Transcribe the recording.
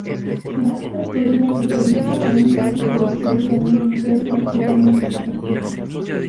La letra podría referirse a un hombre que describe a una mujer practicando meditación.